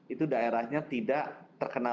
itu daerahnya tidak terkena